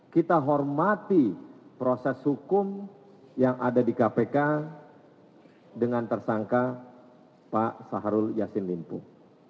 kita hormati proses hukum yang ada di kpk dengan tersangka pak sahrul yassin limpo